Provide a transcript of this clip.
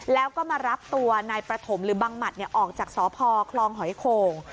แล้วก็มารับตัวนายประถมหรือบังหมัดออกจากสพคลองหอยโข่ง